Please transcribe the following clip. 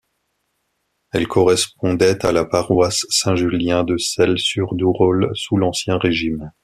Elle correspondait à la paroisse Saint-Julien de Celles-sur-Durolle sous l'Ancien Régime.